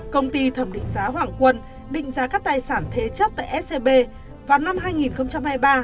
công ty thẩm định giá hoàng quân định giá các tài sản thế chấp tại scb vào năm hai nghìn hai mươi ba